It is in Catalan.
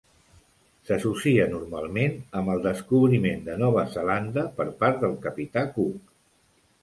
S'associa normalment amb el descobriment de Nova Zelanda per part del Capità Cook.